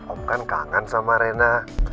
om kangen sama rena